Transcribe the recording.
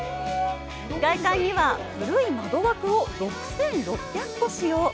外観には、古い窓枠を６６００個使用。